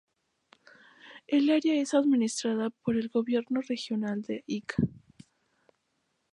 El área es administrada por el Gobierno Regional de Ica.